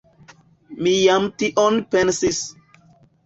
Mi jam tion pensis.